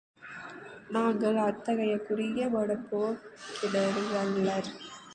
நாங்கள் அத்தகைய குறுகிய மனப்போக்கினரல்லர்.